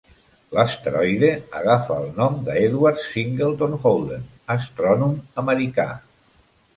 L'asteroide agafa el nom d'Edward Singleton Holden, astrònom americà.